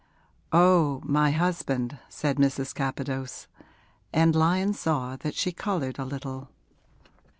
'Oh, my husband,' said Mrs. Capadose; and Lyon saw that she coloured a little.